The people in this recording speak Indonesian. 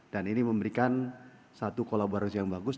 dan ini memberikan satu kolaborasi yang bagus